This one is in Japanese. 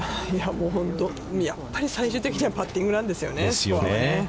もう本当、やっぱり最終的にはパッティングなんですよね。